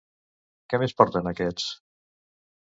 Què més porten aquests?